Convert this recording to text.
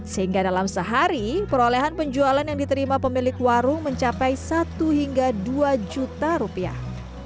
sehingga dalam sehari perolehan penjualan yang diterima pemilik warung mencapai satu hingga dua juta rupiah